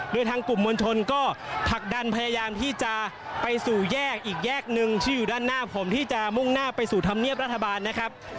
โดยทางกลุ่มมวลชนก็ผลักดันพยายามที่จะไปสู่แยกอีกแยกหนึ่งที่อยู่ด้านหน้าผมที่จะมุ่งหน้าไปสู่ธรรมเนียบรัฐบาลนะครับ